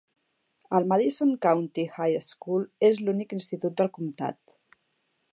El Madison County High School és l'únic institut del comtat.